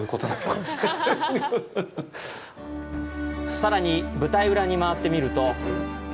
さらに舞台裏に回ってみると。